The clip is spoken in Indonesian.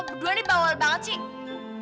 lu berdua ini bawel banget sih